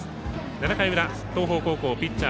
７回の裏、東邦高校ピッチャー